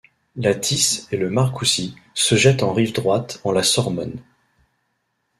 La This et le Margouzy se jettent en rive droite en la Sormonne.